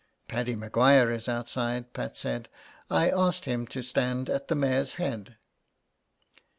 '' Paddy Maguire is outside," Pat said; "I asked him to stand at the mare's head."